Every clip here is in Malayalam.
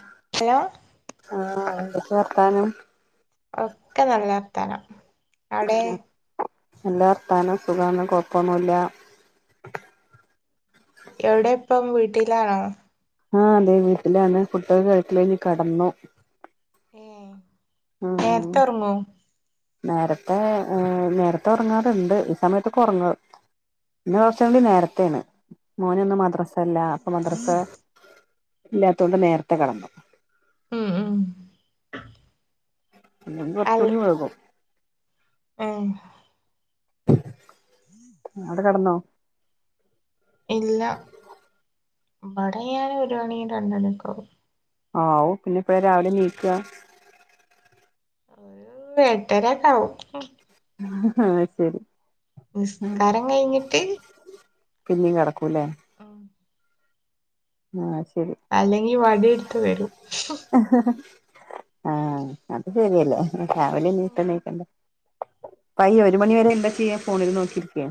ആഹ ഹലോ ആ എന്തേക്കെ വർത്താനം ഒക്കെ നല്ലർത്താനം നല്ല വർത്താനം സുഖാണ് കൊഴപ്പൊന്നുല്ല എവിടെ ഇപ്പം വീട്ടിലാണോ ആഹ് അതെ വീട്ട്ലാണ് ഫുഡോക്കെ കഴിക്കൽ കഴിഞ്ഞ് കെടന്നു ഏ ഉം നേർത്തെ ഒർങ്ങോ നേരത്തെ നേരത്തെ ഉറങ്ങാർണ്ട് ഈ സമയത്ത് ഒക്കെ ഒറങ്ങ ഇന്ന് കൊറച്ചൂ കൂടി നേരത്തെണ് മോൻ ഇന്ന് മദ്രസല്ല അപ്പം മദ്രസ ഇല്ലാത്തോണ്ട് നേരത്തെ കടന്നു ഉം ഉം ഇല്ലെങ്കി കൊറച്ചൂടി വേഗും മ് അവിടെ കെടന്നോ ഇല്ല ഇവടെ ഞാൻ ഒരു മണി രണ്ടണി ഒക്കെ ആവും ആഹു പിന്നെ എപ്പഴാ രാവിലെ നീക്കാ ഒരു എട്ടരക്കെ ആവും ആഹ് ശരി നിസ്കാരം കഴിഞ്ഞിട്ട് പിന്നിം കെടക്കൂലേ മ് ആഹ ശരി അല്ലെങ്കിൽ വടി ഇട്ത്ത് വരും ആഹ അത് ശരിയല്ലേ രാവില നേരത്തെണീക്കണ്ടേ പയ്യ ഒരു മണിവരെ എന്താ ചെയ്യാ ഫോണില് നോക്കിരിക്കേ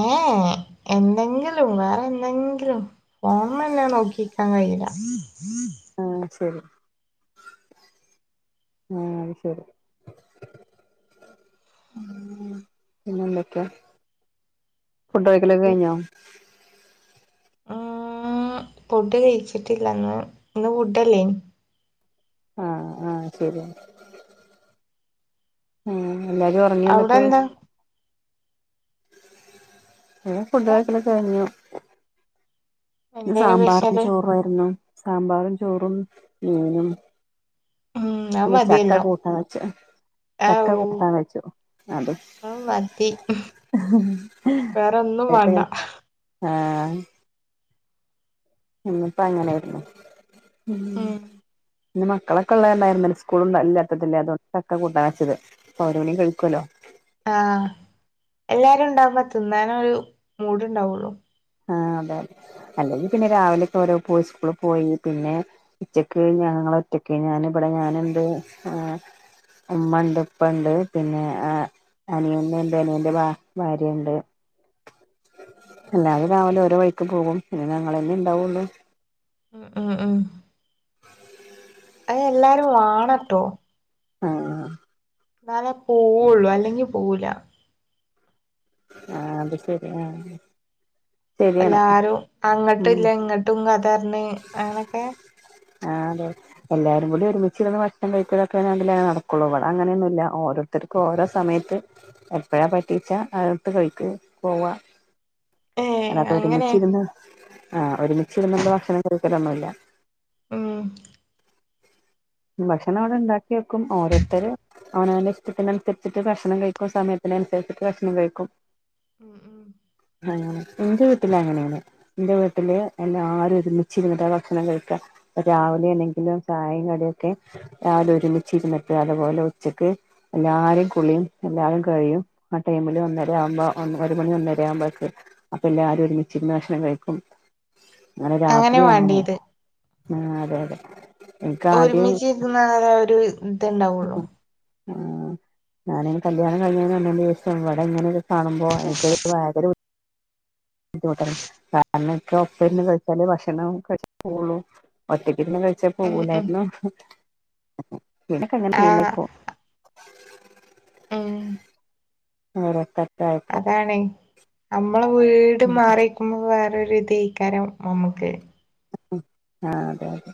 ഏഹേ എന്തെങ്കിലും വേറെ എന്തെങ്കിലും ഫോണ്മേന്നേ നോക്കി കയില്ല ആഹ് ശരി ആഹ് അത് ശരി പിന്നെന്തൊക്കെ ഫുഡ് കഴിക്കലൊക്കെ കഴിഞ്ഞോ ആഹ് ഫുഡ് കഴിച്ചിട്ടില്ലന്ന് ഇന്ന് ഫുഡല്ലേന് ആഹ് ആഹ് ശരിയാ ഉം എല്ലരും അവിടെ എന്താ ഫുഡ് ഏ കഴിക്കലൊക്കെ കഴിഞ്ഞു എന്തേനു സാമ്പാറും സ്പെഷ്യല് ചോറായിരുന്നു സാമ്പാറും ചോറും മീനും ഉം അത് പിന്നെ ചക്ക മതിയല്ലോ കൂട്ടാന്ന് വെച്ചാ ചക്ക ആവൂ കൂട്ടാൻ വെച്ചു അതും അത് മതി വേറൊന്നും വേണ്ട ആഹ് ഇന്ന് ഇപ്പ അങ്ങനെയിരുന്നു ഉം പിന്ന മക്കളൊക്കെ ഉള്ളല്ലാർനിലെ സ്കൂളില്ലാതത്തില്ലേ അതോണ്ടാ ചക്ക കൂട്ടൻ വെച്ചത് ഓലൂഡിം കഴിക്കുല്ലോ ആഹ് എല്ലാരും ഉണ്ടാവുമ്പോ തിന്നാനൊരു മൂഡ് ഉണ്ടാവുള്ളു ആഹ് അതെതെ അല്ലെങ്കിൽ പിന്നെ രാവിലെയൊക്കെ ഓരോ പോയി സ്കൂളിൽ പോയി പിന്നെ ഉച്ചക്ക് ഞങ്ങള ഒറ്റക്ക് ഞൻ ഇവിടെ ഞാനന്ത് ആഹ് ഉമ്മണ്ട് ഇപ്പണ്ട് പിന്നെ ഏഹ് അനിയൻണ്ട് അനിയന്റെ ഭാര്യണ്ട് ഉം എല്ലാരും രാവിലെ ഓരോ വഴിക്ക് പോകും പിന്നെ ഞങ്ങളല്ലേ ഇണ്ടാവൊള്ളൂ ഉം ഉം ഉം അയ് എല്ലാരും വാണട്ടോ ആഹ് ന്നാലെ പോവൊള്ളൂ അല്ലെങ്കി പോവുല ആഹ് അത് ശരി ആഹ് ശരിയാണ് എല്ലാരും അങ്ങട്ടും ഉം ല്ല ഇങ്ങട്ടും കഥർഞ് അങ്ങനൊക്കെ ആഹ് അതെ എല്ലാരും കൂടി ഒരുമിച്ചിരുന്ന് ഭക്ഷണം കഴിക്കലൊക്കെണെങ്കിലെ നടക്കുള്ളൂ ഇവിടെ അങ്ങനെയൊന്നുല്ല ഓരോ ഒരത്തർക്ക് ഓരോ സമയത്ത് എപ്പഴ പറ്റീച്ചാ അ എടുത്ത് കഴിക്ക് പോവ ഏ അല്ലാതെ അങ്ങനെ ഒരുമിച്ചിരുന്ന് ആഹ് ഒരുമിച്ച് ഇര്നുള്ള ഭക്ഷണം കഴിക്കലൊന്നുല്ല ഉം ഭക്ഷണം അവിടെ ഇണ്ടാക്കിക്കും ഓരോരുത്തര് അവനാന്റെ ഇഷ്ടത്തിനുരിചിട്ട് ഭക്ഷണം കഴിക്കും സമയത്തിനുസരിച്ചിട്ട് ഭക്ഷണം കഴിക്കും ഉം ഉം അങ്ങനെ ഇന്റെ വീട്ടിൽ അങ്ങനേണ് ഇന്റെ വീട്ടില് എല്ലാരും ഒരുമിച്ചിരുന്ന് ട്ട ഭക്ഷണം കഴിക്കാ രാവിലേണെങ്കിലും ചായീം കടിയൊക്കെ രാവിലെ ഒരുമിച്ചിരുന്നിട്ട് അതുപോലെ ഉച്ചക്ക് എല്ലാരീം കുളീം എല്ലാതും കഴിയും ആ ടൈമില് വന്ന [unintelligible] ഒരു മണി ഒന്നര ആവുമ്പോക്ക് അപ്പൊ എല്ലാരും ഒരുമിച്ചിരുന്ന് ഭക്ഷണം കഴിക്കും ഇന്നലെ രാത്രി അങ്ങനെ [unintelligible] ആദ്യം ഒരുമിച്ചിരിന്ന ഒരു ഇത്ണ്ടാവുള്ളൂ ആഹ് ഞാനയന് കല്യാണം കയിൻഞ് വന്നേനേഷം ഇവിടെ ഇങ്ങനെക്കെ കാണുമ്പോ ഇനിക്ക് [unintelligible] ബുദ്ധിമുട്ടാണ് കാരണം ഇൻക്ക് ഒപ്പര്ന്ന് കഴിച്ചാലേ ഭക്ഷണം പോവൊള്ളു ഒറ്റക്കിരുന്ന് കഴിച്ചാ ഉം ഉം പോവൂലാരുന്നു പിനക്കെ അങ്ങനെ ആഹ് ശീലായിപ്പോ ഉം [unintelligible] അതാണയ് നമ്മളെ വീട് മാറിക്കുമ്പോ വേറരു തൈക്കാരം നമ്മുക്ക് ആഹ് അതെ അതെ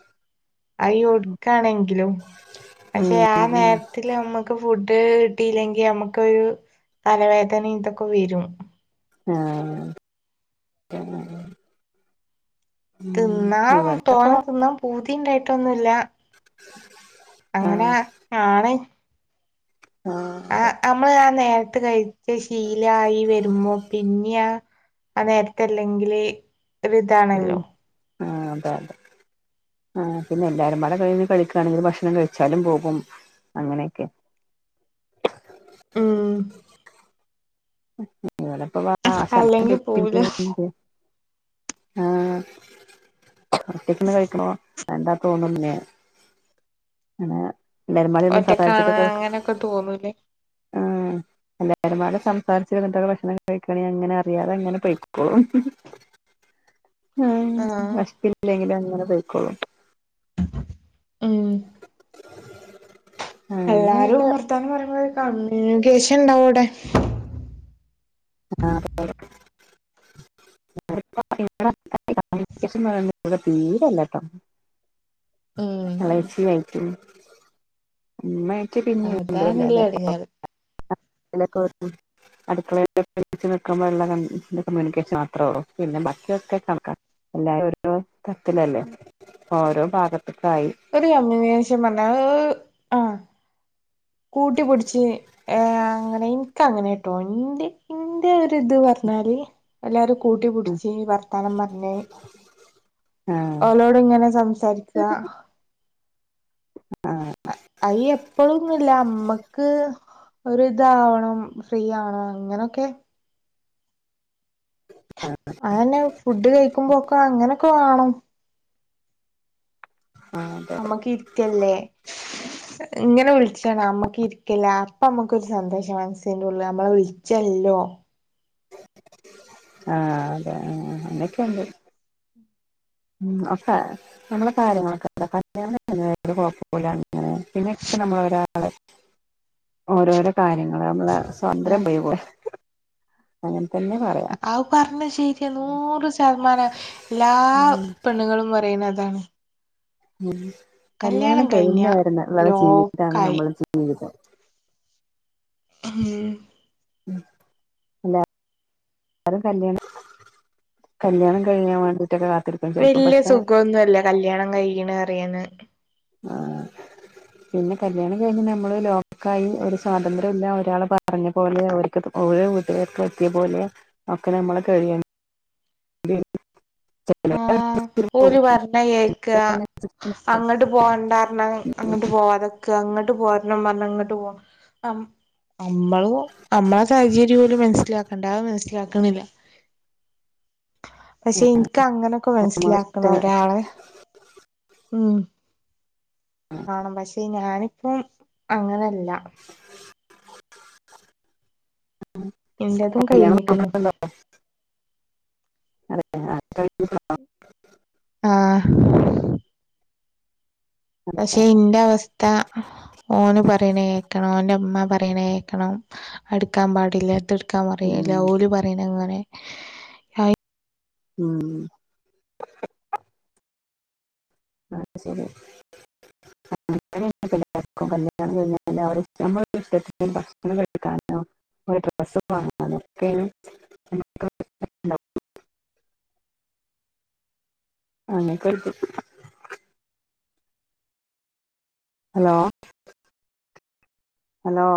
അയ ഉം ഒടുക്കാണെങ്കിലും പക്ഷെ ആ ഉം നേരത് നമ്മുക്ക് ഫുഡ് കിട്ടില്ലെങ്കിൽ നമുക്ക ഒരു തലവേദനിം തൊക്കെ വരും ആഹ് ഉം തിന്നാ ഇവിടെപ്പോ തോനെ തിന്നാം പൂതിണ്ടായിട്ടൊന്നുമല്ല അങ്ങനെ ആഹ് ആണ് ആഹ് ആ നമ്മള് ആ നേരത്ത് കഴിച്ച ശീലായി വരുമ്പോ പിന്നെയ ആ നേരത്തെ ല്ലെങ്കില് ഒരു താണല്ലോ ആ അതെ ആ പിന്നെ എല്ലാരുംമാടെ കയ്ന്ന് കളിക്കുകയാണെങ്കിൽ ഭക്ഷണം കഴിച്ചാലും പോകും അങ്ങനെയൊക്കെ ഉം പ്പ വ ആ അല്ലെങ്കി പോവൂല ഒച്ചക്കന്ന് കഴിക്കണ വണ്ടാ തോന്നുന്ന അങ്ങെ എല്ലാരും പാടെ ഒന്ന് ഒറ്റക്കാണ് സഹാരിച്ചിട്ടക്ക അങ്ങനൊക്കെ തോന്നൂലേ ആ എല്ലരുമാട സംസാരിച്ച് കിട്ടെ ഭക്ഷണം കഴിക്കണെങ്ക അങ്ങനെ അറിയാതെ അങ്ങനെ പഴിക്കോളും [inaudible] ആ ആഹ് അഷില്ലെങ്കിലും അങ്ങനെ പോയ്ക്കോളും ഉം [unintelligible] എല്ലാരും അങ്ങനെയൊക്കെ ഓർത്താനും പറയുമ്പോ കമ്മ്യൂണിക്കേഷൻ ണ്ടാവും അവിടെ ആ തീരല്ലട്ടോ ഉം അളച്ചി ആയിട്ടും മ്മേയിട്ട് പിന്നെണ്ടല്ല അതാണില്ലേ അതെ എടങ്ങേറ് ക്കെ അടുക്കള നിൽക്കുമ്പോഴുള്ള കമ്മ്യൂണിക്കേഷൻ മാത്രേ ള്ളൂ പിന്നെ ബാക്കിയൊക്കെണക്കാ എല്ലാ ഓരോ തത്തിലല്ലേ ഓരോ ഭാഗത്തക്കായി ഒരു അമ്മേഷം പറഞ്ഞാൽ ഓ ആ കൂട്ടിപിടിച്ച് ഏ അങ്ങനെയും ക്കങ്ങനെ ട്ടോ ഇന്റെ ഇന്റെ ഒരിത് പറഞ്ഞാല് എല്ലാവരും കൂട്ടിപടിച്ച് വർത്താനം പറഞ്ഞഞ് ആഹ് ഓളോട് ങ്ങനെ സംസാരിക്ക ആഹ് അയ എപ്പഴൊന്നുംല്ല അമ്മക്ക് ഒരിതാവണം ഫ്രീ ആണോ അങ്ങനൊക്കെ ആഹ് അതന്നെ ഫുഡ് കഴിക്കുമ്പോക്കെ അങ്ങനൊക്കെ വാണം ആഹ് അതെ അതെ ഞമ്മക്കിരിക്കല്ലേ ഇങ്ങനെ വിളിച്ചാണ് മ്മക്ക് ഇരിക്കില്ല അപ്പൊ മ്മക്കൊരു സന്തോഷ മനസ്സിന്റെറെ ഉള്ളിൽ നമ്മളെ വിളിച്ചല്ലോ ആഹ് അതെ അങ്ങനൊക്കെണ്ട് ഉം അക്കെ നമ്മളെ കാര്യങ്ങളൊക്കെ കല്യാ കുഴപ്പില്ലനെ പിന്നെക്കെ നമ്മള ഒരാള [inaudible] ഓരോരോ കാര്യങ്ങള് നമ്മള് സ്വതന്ത്രം പോയി പോല അങ്ങനെ തന്നെ പറയാം ആ പറഞ്ഞ ശരിയ നൂറ് ശതമാനം എല്ലാ പെണ്ണുങ്ങളും പറയുന്നതാണ് ഉ കല്യാണം കഴിഞ്ഞ വരുന്ന നള ജീവിതാണ് ലോക്കായി നമ്മളെ ജീവിതം ഉം ഉം കും കല്യാണം കല്യാണം കഴിഞ്ഞാൻ വേണ്ടിട്ടൊക്കെ കാത്തിരിക്ക വല്ല്യ സുഖൊന്നു അല്ല കല്ല്യാണം കഴിക്ക്ണ് പറിയ്ന്ന്. ആഹ് പിന്നെ കല്ല്യാണം കഴിഞ്ഞ് നമ്മള് ലോക്കായി, ഒരു സ്വാതന്ത്ര്യമില്ല ഒരാള് പറഞ്ഞ പോലെ ഒരു ഓരോ വീട്ടിലേക്കെത്തിയ പോലെ ഒക്കെ നമ്മള് കഴിയണം. [inaudible] ഓര് പറഞ്ഞ കേക്ക്വാ അടിച്ചു നിക്കും. അങ്ങട്ട് പോവണ്ടാറഞ്ഞാ അങ്ങട്ട് പോവാത്ക്കാ. ഇങ്ങട്ട് പോരണം പറഞ്ഞാ ഇങ്ങട്ട് പോ ഹം നമ്മള്, നമ്മള സാഹചര്യം ഓല് മനസ്സിലാക്കണ്ടെ. അത് മനസ്സിലാക്കണില്ല. പക്ഷെ ഇൻക്ക് അങ്ങനെയൊക്കെ നമ്മളെ മനസിലാക്കണ ഇഷ്ട- ഒരാളെ ഉം. വേണം പക്ഷെ, ഞാനിപ്പം അങ്ങനല്ല. [inaudible] എന്റതും കല്ല്യാണം കഴിഞ്ഞിക്കണ് നോക്കണ് ണ്ടോ? [inaudible] ആഹ് പക്ഷെ ഇന്റെ അവസ്ഥ, ഓന് പറയണ കേക്കണം ഓന്റെ ഇമ്മ പറയണ കേക്കണം. എട്ക്കാൻ പാടില്ല ഇതെട്ക്കാൻ പറയില്ല. ഉം. ഓല് പറയണ അങ്ങനെ ഉം അത് ശരി [inaudible] [inaudible] ഒരു ഡ്രസ്സ് വാങ്ങാനോ ഒക്കേനും [unintelligible] ഹലോ? ഹലോ?